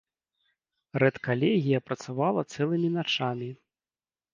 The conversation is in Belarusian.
Рэдкалегія працавала цэлымі начамі.